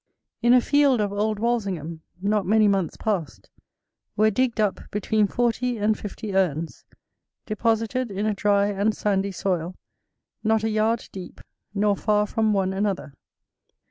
In a field of Old Walsingham, not many months past, were digged up between forty and fifty urns, deposited in a dry and sandy soil, not a yard deep, nor far from one another.